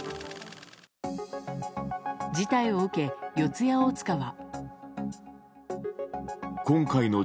事態を受け、四谷大塚は。